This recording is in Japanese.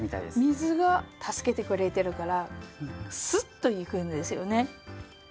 水が助けてくれてるからすっといくんですよね。